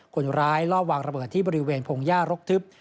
คนร้ายลอบวางระเบิดที่บริเวณพงหญ้ารกทึบ